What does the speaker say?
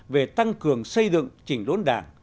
về tăng cường xây dựng chỉnh đốn đảng